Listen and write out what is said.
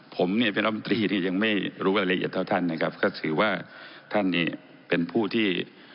ผมเนี่ยเป็นรัฐมนตรีเนี่ยยังไม่รู้รายละเอียดเท่าท่านนะครับก็ถือว่าท่านเนี่ยเป็นผู้ที่